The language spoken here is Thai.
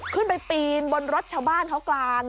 ขึ้นไปปีนบนรถชาวบ้านเค้ากลาง